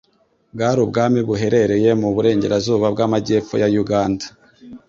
bwari ubwami buherereye mu Burengerazuba bw'Amajyepfo ya Uganda